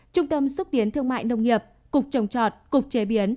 trung tâm xúc tiến thương mại nông nghiệp cục trồng trọt cục chế biến